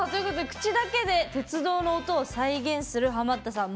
口だけで鉄道の音を再現するハマったさん